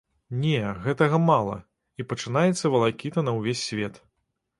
Не, гэтага мала, і пачынаецца валакіта на ўвесь свет.